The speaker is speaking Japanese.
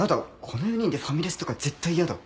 この４人でファミレスとか絶対やだ。